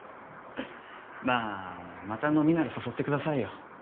まあまた飲みなら誘ってくださいよ。